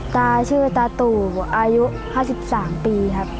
ตาชื่อตาตู่อายุ๕๓ปีครับ